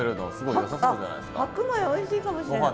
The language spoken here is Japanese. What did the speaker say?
あっ白米おいしいかもしれない。